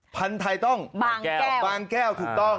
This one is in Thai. พันธุ์ไทยต้องบางแก้ว